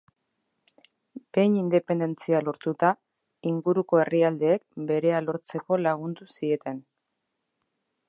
Behin independentzia lortuta, inguruko herrialdeek berea lortzeko lagundu zieten.